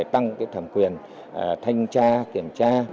tăng thẩm quyền thanh tra kiểm soát